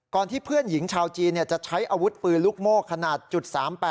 ที่เพื่อนหญิงชาวจีนจะใช้อาวุธปืนลูกโม่ขนาด๓๘